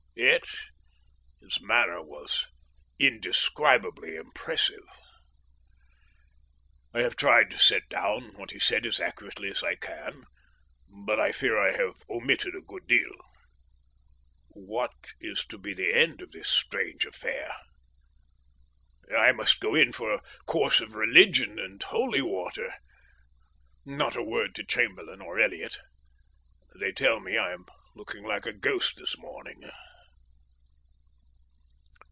Yet his manner was indescribably impressive. I have tried to set down what he said as accurately as I can, but I fear I have omitted a good deal. What is to be the end of this strange affair? I must go in for a course of religion and holy water. Not a word to Chamberlain or Elliott. They tell me I am looking like a ghost this morning.